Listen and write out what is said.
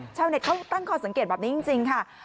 ชาวเน็ตเขาตั้งข้อสังเกตแบบนี้จริงค่ะ